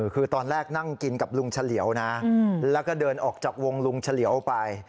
คือตอนแรกนั่งกินกับลุงเฉลี่ยวนะแล้วก็เดินออกจากวงลุงเฉลียวไป